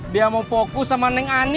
dia mau fokus sama neng ani